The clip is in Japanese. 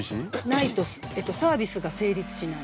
◆ないとサービスが成立しない。